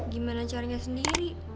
gimana caranya sendiri